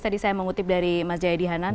tadi saya mengutip dari mas jayadi hanan